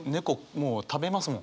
もう食べますもん。